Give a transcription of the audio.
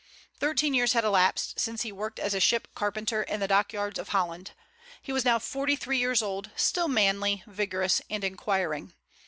Thirteen years had elapsed since he worked as a ship carpenter in the dock yards of Holland. He was now forty three years old, still manly, vigorous, and inquiring.